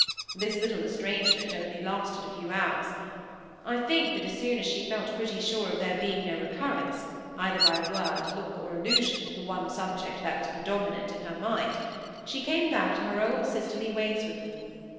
This little estrangement only lasted a few hours. I think that as soon as she felt pretty sure of there being no recurrence, either by word, look, or allusion, to the one subject that was predominant in her mind, she came back to her old sisterly ways with me.